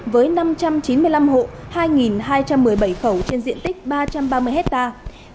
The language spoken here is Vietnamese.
với năm trăm chín mươi năm hộ hai hai trăm một mươi bảy khẩu trên diện tích ba trăm ba mươi hectare